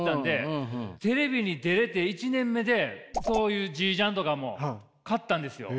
テレビに出れて１年目でそういうジージャンとかも買ったんですよ。